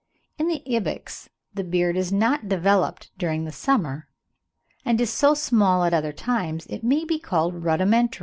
In the ibex the beard is not developed during the summer, and is so small at other times that it may be called rudimentary.